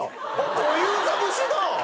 小遊三節だ！